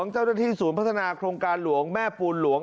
เจ้าหน้าที่ศูนย์พัฒนาโครงการหลวงแม่ปูนหลวง